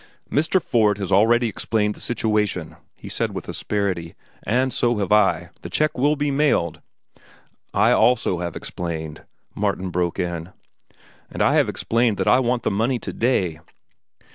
"Mr. Ford has already explained the situation," he said with asperity. "And so have I. The check will be mailed—" "I also have explained," Martin broke in, "and I have explained that I want the money to day."